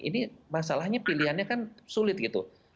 ini masalahnya pilihannya kan sulit gitu